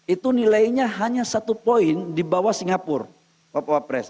itu nilainya hanya satu poin di bawah singapura bapak wapres